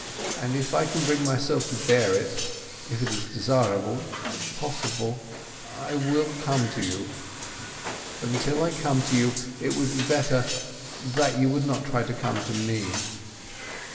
And if I can bring myself to bear it—if it is desirable, possible—I will come to you. But until I come to you it will be better that you should not try to come to me."